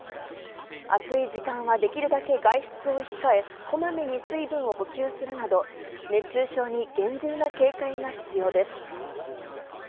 暑い時間はできるだけ外出を控え、こまめに水分を補給するなど、熱中症に厳重な警戒が必要です。